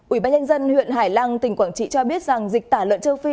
ủy ban nhân dân huyện hải lăng tỉnh quảng trị cho biết rằng dịch tả lợn châu phi